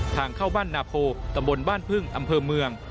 ทางเข้าบ้านนาโพตำบลบ้านพึ่งอำเภอเมือง